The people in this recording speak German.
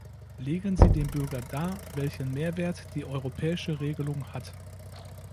Legen Sie dem Bürger dar, welchen Mehrwert die europäische Regelung hat!